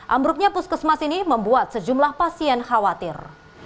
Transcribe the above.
ambruknya puskesmas ini membuat sejumlah pasien khawatir